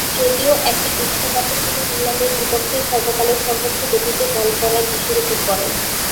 যদিও একই বিশ্বকাপে তিনি ইংল্যান্ড এর বিপক্ষে সর্বকালের সর্বোচ্চ গতিতে বল করার বিশ্ব রেকর্ড গড়েন।